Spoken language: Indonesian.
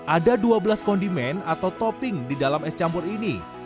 ada dua belas kondimen atau topping di dalam es campur ini